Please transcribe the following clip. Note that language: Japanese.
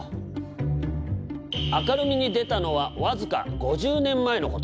明るみに出たのは僅か５０年前のこと。